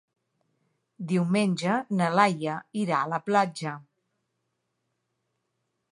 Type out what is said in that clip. Diumenge na Laia irà a la platja.